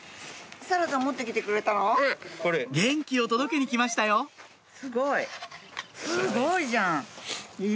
元気を届けに来ましたよすごい。